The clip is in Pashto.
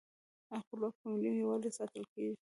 خپلواکي په ملي یووالي ساتل کیږي.